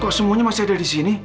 kok semuanya masih ada disini